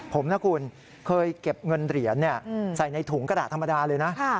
ผมนะคุณเคยเก็บเงินเหรียญใส่ในถุงกระดาษธรรมดาเลยนะ